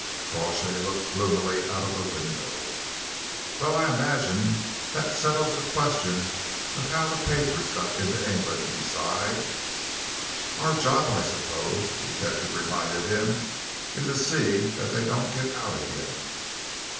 Crawshay looked gloomily out of the window. "Well, I imagine that that settles the question of how the papers got into England," he sighed. "Our job, I suppose," the detective reminded him, "is to see that they don't get out again."